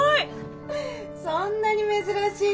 そんなに珍しいですか？